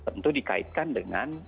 tentu dikaitkan dengan